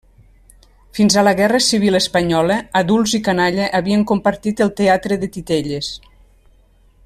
Fins a la Guerra Civil espanyola, adults i canalla havien compartit el teatre de titelles.